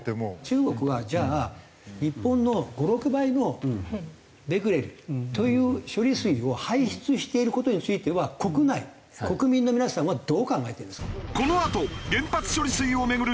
中国はじゃあ日本の５６倍のベクレルという処理水を排出している事については国内国民の皆さんはどう考えてるんですか？